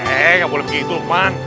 eh gak boleh begitu uman